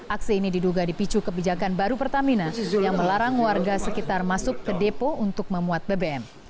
aksi ini diduga dipicu kebijakan baru pertamina yang melarang warga sekitar masuk ke depo untuk memuat bbm